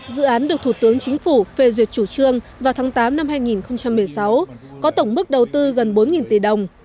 dự án được thủ tướng chính phủ phê duyệt chủ trương vào tháng tám năm hai nghìn một mươi sáu có tổng mức đầu tư gần bốn tỷ đồng